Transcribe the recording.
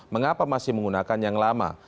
mengapa masih menggunakan yang lama